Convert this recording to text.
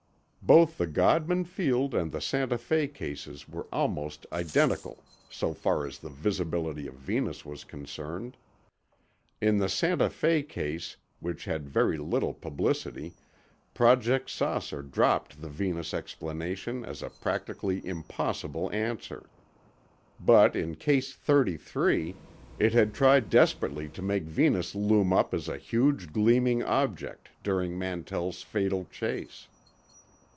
Both the Godman Field and the Santa Fe cases were almost identical, so far as the visibility of Venus was concerned. In the Santa Fe case, which had very little publicity, Project "Saucer" dropped the Venus explanation as a practically impossible answer. But in Case 33, it had tried desperately to make Venus loom up as a huge gleaming object during Mantell's fatal chase.